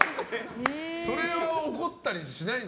それを怒ったりしないの？